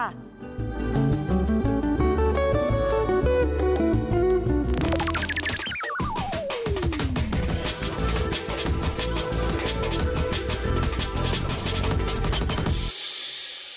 สวัสดีค่ะ